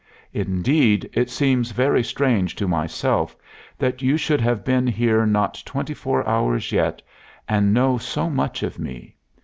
Indeed, it seems very strange to myself that you should have been here not twenty four hours yet, and know so much of me.